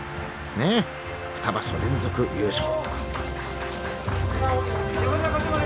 ねえ二場所連続優勝。